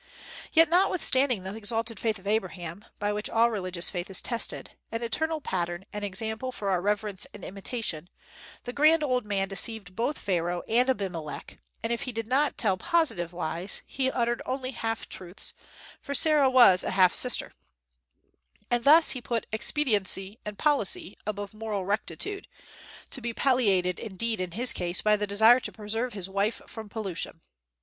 Yet notwithstanding the exalted faith of Abraham, by which all religious faith is tested, an eternal pattern and example for our reverence and imitation, the grand old man deceived both Pharaoh and Abimelech, and if he did not tell positive lies, he uttered only half truths, for Sarah was a half sister; and thus he put expediency and policy above moral rectitude, to be palliated indeed in his case by the desire to preserve his wife from pollution.